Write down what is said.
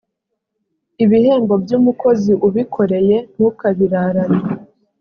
ibihembo by’umukozi ubikoreye ntukabirarane.